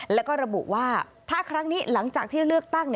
แล้วก็ระบุว่าถ้าครั้งนี้หลังจากที่เลือกตั้ง